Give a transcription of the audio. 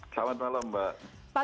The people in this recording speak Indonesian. selamat malam mbak